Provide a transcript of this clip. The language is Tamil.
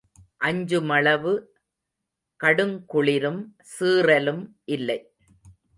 அஞ்சுமளவு கடுங்குளிரும் சீறலும் இல்லை.